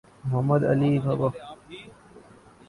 محمد Ali کا boxing style عام باکسروں سے مختلف اور دلکش تھا۔